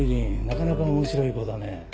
なかなか面白い子だね。